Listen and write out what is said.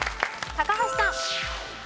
高橋さん。